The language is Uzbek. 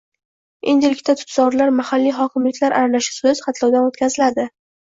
Endilikda tutzorlar mahalliy hokimliklar aralashuvisiz xatlovdan o‘tkazilading